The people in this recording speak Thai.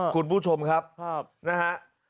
คุณผู้ชมครับนะฮะ